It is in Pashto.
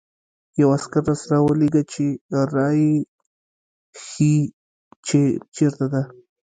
یو عسکر راسره ولېږه چې را يې ښيي، چې چېرته ده.